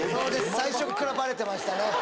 最初っからバレてましたね